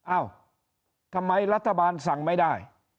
เอ้าทำไมรัฐบาลสั่งไม่ได้